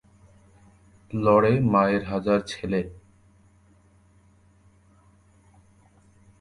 লড়ে মায়ের হাজার ছেলে